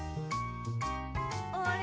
あれ？